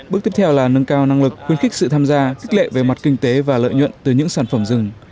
bước tiếp theo là nâng cao năng lực khuyến khích sự tham gia tích lệ về mặt kinh tế và lợi nhuận từ những sản phẩm rừng